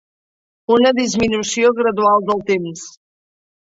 Una disminució gradual del temps